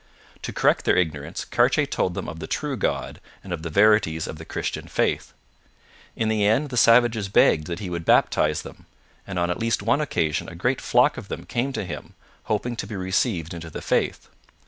To correct their ignorance, Cartier told them of the true God and of the verities of the Christian faith. In the end the savages begged that he would baptize them, and on at least one occasion a great flock of them came to him, hoping to be received into the faith.